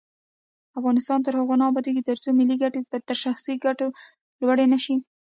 افغانستان تر هغو نه ابادیږي، ترڅو ملي ګټې تر شخصي ګټو لوړې نشي.